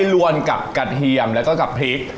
รวมกับกระเทียมแล้วก็กับพริก